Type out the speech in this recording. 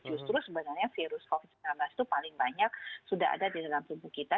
justru sebenarnya virus covid sembilan belas itu paling banyak sudah ada di dalam tubuh kita